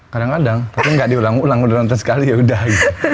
kadang kadang tapi nggak diulang ulang udah nonton sekali yaudah gitu